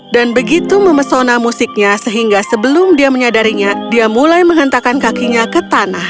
dan begitu memesona musiknya sehingga sebelum dia menyadarinya dia mulai menghentakkan kakinya ke tanah